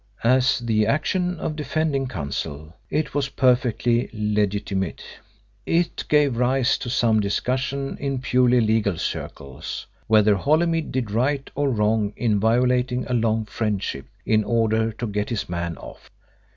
As the action of defending counsel it was perfectly legitimate. It gave rise to some discussion in purely legal circles whether Holymead did right or wrong in violating a long friendship in order to get his man off.